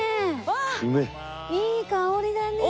いい香りだねえ。